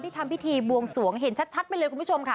ทำพิธีบวงสวงเห็นชัดไปเลยคุณผู้ชมค่ะ